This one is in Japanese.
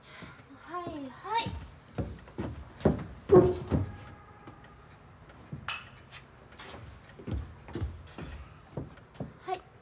はいはい。